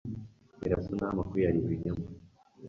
Birasa nkaho amakuru yari ibinyoma.